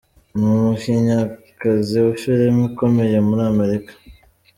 Ni umukinnyikazi wa filimi ukomeye muri Amerika.